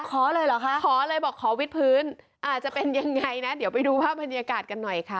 ขอเลยเหรอคะขอเลยบอกขอวิทย์พื้นอาจจะเป็นยังไงนะเดี๋ยวไปดูภาพบรรยากาศกันหน่อยค่ะ